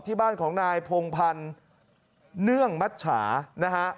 ที่บ้านของนายพงพันธ์เนื่องมัชชานะฮะ